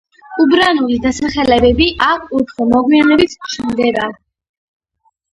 ურბანული დასახლებები აქ უფრო მოგვიანებით ჩნდება.